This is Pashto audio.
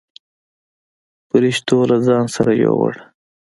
پرښتو له ځان سره يووړ.